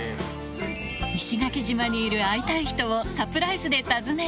石垣島にいる会いたい人をサプライズで訪ねる。